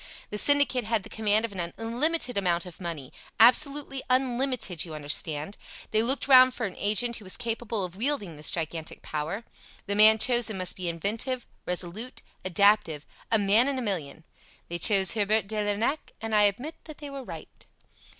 The syndicate had the command of an unlimited amount of money absolutely unlimited, you understand. They looked round for an agent who was capable of wielding this gigantic power. The man chosen must be inventive, resolute, adaptive a man in a million. They chose Herbert de Lernac, and I admit that they were right.